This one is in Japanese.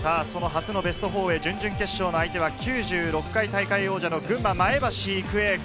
その初のベスト４へ準々決勝の相手は９６回大会王者の群馬・前橋育英。